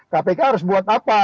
kpk harus buat apa